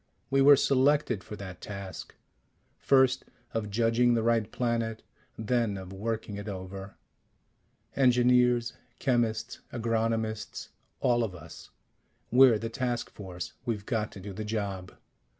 We were selected for that task first of judging the right planet, then of working it over. Engineers, chemists, agronomists, all of us we're the task force. We've got to do the job.